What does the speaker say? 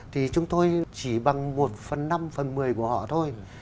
thì chúng tôi chỉ bằng một phần năm phần một mươi của họ thôi